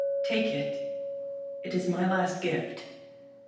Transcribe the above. Take it, it is my last gift."